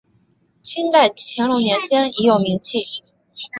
清代乾隆年间已有名气。